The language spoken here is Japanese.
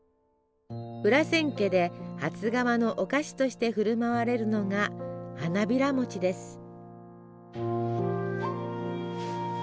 裏千家で初釜のお菓子として振る舞われるのが花びらもちです。